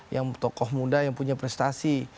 yang tokoh muda yang punya prestasi